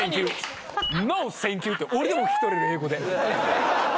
ノーサンキューって俺でも聞き取れる英語で。